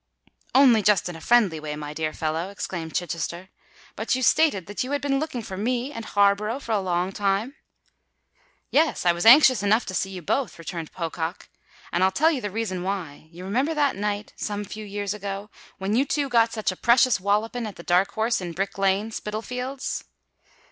"Only just in a friendly way, my dear fellow," exclaimed Chichester. "But you stated that you had been looking for me and Harborough for a long time?" "Yes—I was anxious enough to see you both," returned Pocock: "and I'll tell you the reason why. You remember that night—some few years ago—when you two got such a precious walloping at the Dark House in Brick Lane, Spitalfields?"